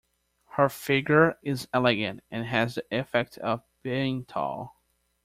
Her figure is elegant and has the effect of being tall.